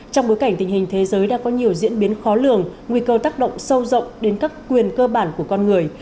trong bối cảnh tình hình thế giới đã có nhiều diễn biến khó lường nguy cơ tác động sâu rộng đến các quyền cơ bản của con người